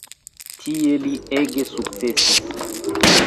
Tie li ege sukcesis.